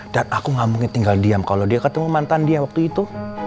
dan aku gak mungkin tinggal diam kalo dia ketemu mantan dia waktu itu